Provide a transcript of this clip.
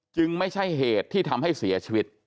ไม่ใช่เหตุที่ทำให้เสียชีวิต